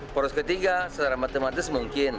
poros ketiga secara matematis mungkin